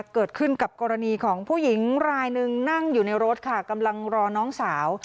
เกิดขึ้นกับกรณีของผู้หญิงรายหนึ่งนั่งอยู่ในรถค่ะกำลังรอน้องสาว